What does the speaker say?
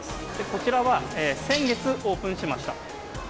こちらは先月オープンしました。